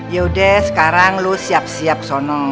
yaudah sekarang lo siap siap sono